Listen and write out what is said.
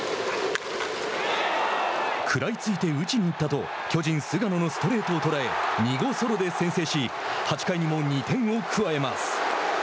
「食らいついて打ちにいった」と巨人菅野のストレートを捉え２号ソロで先制し８回にも２点を加えます。